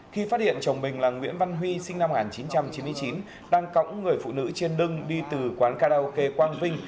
khi phát hiện chồng mình là nguyễn văn huy sinh năm một nghìn chín trăm chín mươi chín đang cõng người phụ nữ trên lưng đi từ quán karaoke quang vinh